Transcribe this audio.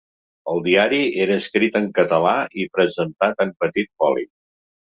El diari era escrit en català i presentat en petit foli.